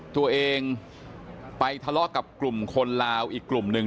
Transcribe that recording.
ตัวเองไปทะเลาะกับกลุ่มคนลาวอีกกลุ่มหนึ่ง